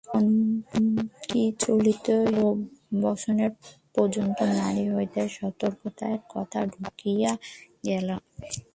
এমন কি চলতি হিতবচনে পর্যন্ত নারী হইতে সতর্কতার কথা ঢুকিয়া গেল।